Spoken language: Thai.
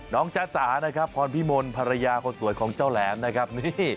น้องจ้าจ๋าพรพิมลภรรยาคนสวยของเจ้าแหลมนะครับ